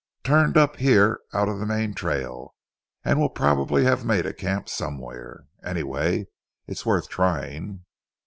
"Turned up here out of the main trail, and will probably have made a camp somewhere. Anyway it is worth trying."